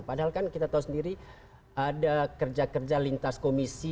padahal kan kita tahu sendiri ada kerja kerja lintas komisi